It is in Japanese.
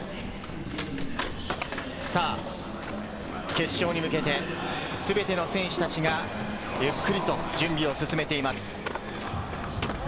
決勝に向けて、すべての選手たちがゆっくりと準備を進めています。